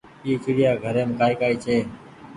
اي چڙيآ گهريم ڪآئي ڪآئي ڇي۔